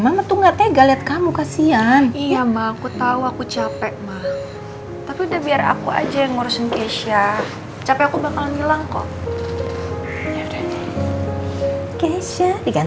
mama tuh gak tega liat kamu kasihan